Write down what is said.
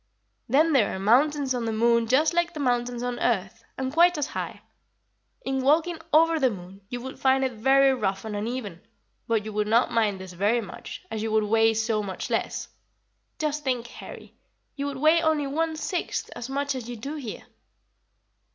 "Then there are mountains on the moon just like the mountains on earth, and quite as high. In walking over the moon you would find it very rough and uneven, but you would not mind this very much, as you would weigh so much less. Just think, Harry, you would weigh only one sixth as much as you do here."